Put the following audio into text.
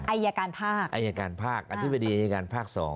อายการภาคอายการภาคอธิบดีอายการภาค๒